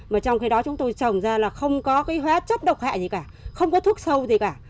mà trong khi đó chúng tôi trồng ra là không có cái hóa chất độc hại gì cả không có thuốc sâu gì cả